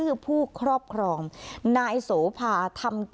อันดับที่สุดท้าย